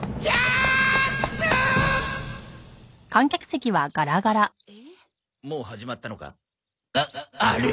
あっあれ？